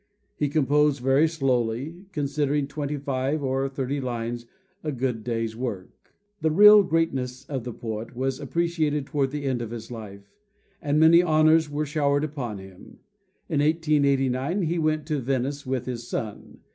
He composed very slowly, considering twenty five or thirty lines a good day's work. The real greatness of the poet was appreciated toward the end of his life, and many honors were showered upon him. In 1889 he went to Venice with his son.